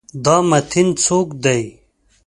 دا متین څوک دی؟